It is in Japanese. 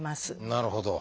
なるほど。